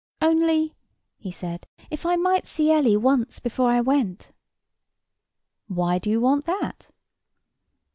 "Only," he said, "if I might see Ellie once before I went!" "Why do you want that?"